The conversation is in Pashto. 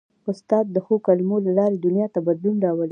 استاد د ښو کلمو له لارې دنیا ته بدلون راولي.